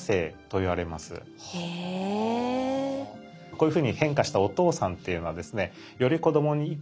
こういうふうに変化したお父さんっていうのはですね